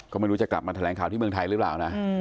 ก็ไม่รู้จะกลับมาแถลงข่าวที่เมืองไทยหรือเปล่านะ